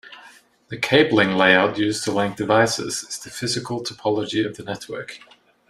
The cabling layout used to link devices is the physical topology of the network.